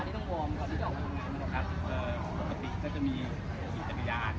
หรือว่าเวลากำลังจะยิง